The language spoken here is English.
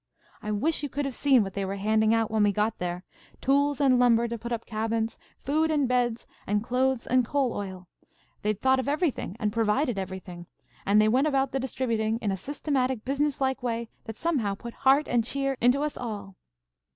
"I wish you could have seen what they were handing out when we got there: tools and lumber to put up cabins, food and beds and clothes and coal oil. They'd thought of everything and provided everything, and they went about the distributing in a systematic, businesslike way that somehow put heart and cheer into us all.